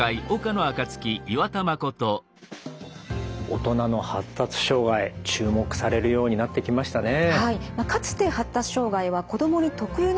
大人の発達障害注目されるようになってきましたね。